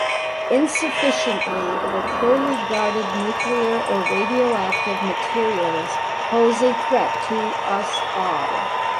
Insufficiently or poorly guarded nuclear or radioactive materials pose a threat to us all.